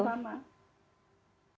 terima kasih mbak suci sehat selalu